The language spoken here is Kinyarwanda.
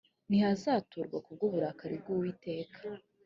ntihazaturwa ku bw uburakari bw uwiteka